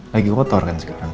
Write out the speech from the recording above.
lagi kotor kan sekarang